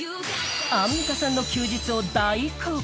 ［アンミカさんの休日を大公開］